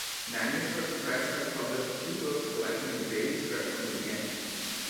Manuscript Press has published two books collecting the daily strip from the beginning.